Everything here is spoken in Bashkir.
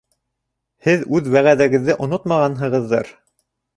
Һеҙ үҙ вәғәҙәгеҙҙе онотмағанһығыҙҙыр.